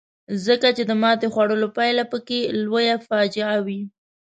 ځکه چې د ماتې خوړلو پایله پکې لویه فاجعه وي.